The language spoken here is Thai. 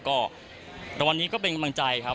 ก็แต่วันนี้ก็เป็นกำลังใจครับ